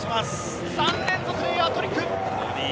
３連続のエアトリック。